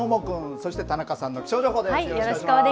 そして田中さんの気象情報です。